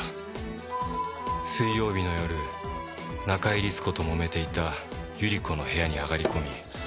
水曜日の夜中井律子ともめていた百合子の部屋に上がり込み。